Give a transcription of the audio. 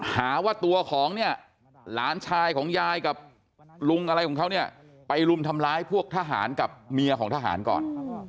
หาว่าตัวของเนี่ยหลานชายของยายกับลุงอะไรของเขาเนี่ยไปรุมทำร้ายพวกทหารกับเมียของทหารก่อน